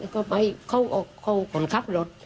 ก็ไปเขาคนขับรถ